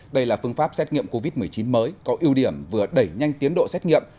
đây là phương pháp xét nghiệm covid một mươi chín mới có ưu điểm vừa đẩy nhanh tiến độ xét nghiệm